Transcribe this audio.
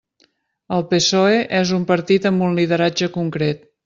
El PSOE és un partit amb un lideratge concret.